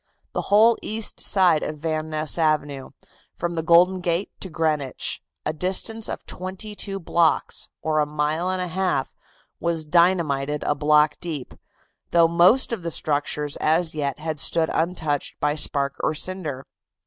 The whole east side of Van Ness Avenue, from the Golden Gate to Greenwich, a distance of twenty two blocks, or a mile and a half, was dynamited a block deep, though most of the structures as yet had stood untouched by spark or cinder.